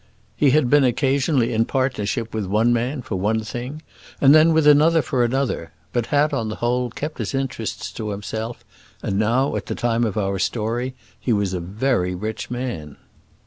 He had been occasionally in partnership with one man for one thing, and then with another for another; but had, on the whole, kept his interests to himself, and now at the time of our story, he was a very rich man.